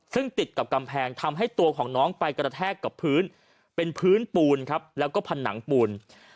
ซึ่งติดกับกำแพงทำให้ตัวของน้องไปกระแทกกับพื้นเป็นพื้นปูนครับแล้วก็ผนังปูน